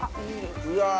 うわ。